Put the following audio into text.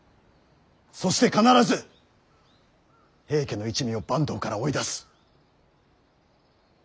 そして必ず平家の一味を坂東から追い出す。